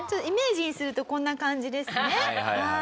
イメージにするとこんな感じですね。